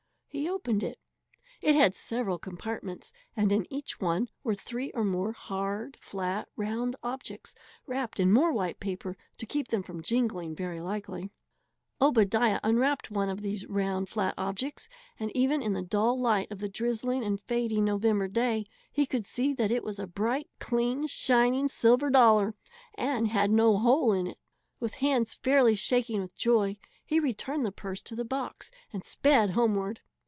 He opened it. It had several compartments, and in each one were three or more hard, flat, round objects wrapped in more white paper to keep them from jingling, very likely. Obadiah unwrapped one of these round, flat objects, and even in the dull light of the drizzling and fading November day he could see that it was a bright, clean, shining silver dollar and had no hole in it. With hands fairly shaking with joy, he returned the purse to the box and sped homeward.